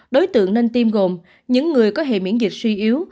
đối tượng nên tiêm gồm những người có hệ miễn dịch suy yếu